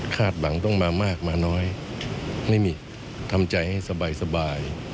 หวังต้องมามากมาน้อยไม่มีทำใจให้สบาย